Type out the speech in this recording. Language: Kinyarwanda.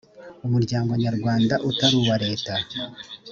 umuryango nyarwanda utari uwa leta